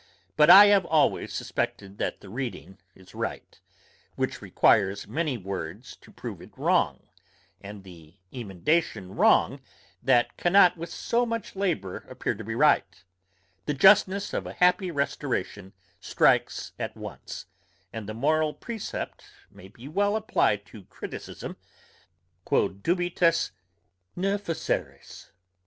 But I have always suspected that the reading is right, which requires many words to prove it wrong; and the emendation wrong, that cannot without so much labour appear to be right The justness of a happy restoration strikes at once, and the moral precept may be well applied to criticism, quod dubitas ne feceris.